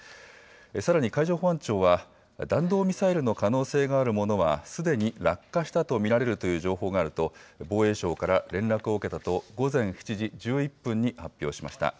さらに海上保安庁は、弾道ミサイルの可能性があるものは、すでに落下したと見られるという情報があると、防衛省から連絡を受けたと、午前７時１１分に発表しました。